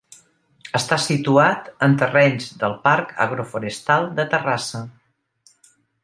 Està situat en terrenys del Parc Agroforestal de Terrassa.